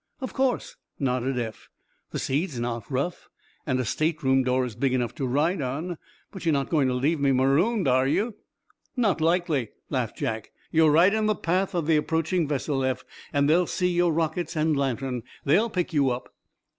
"Of course," nodded Eph. "The sea's not rough, and a state room door is big enough to ride on. But you're not going to leave me marooned, are you?" "Not likely," laughed Jack. "You're right in the path of the approaching vessel, Eph, and they'll see your rockets and lantern. They'll pick you up."